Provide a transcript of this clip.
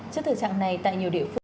trước thời trạng này tại nhiều địa phương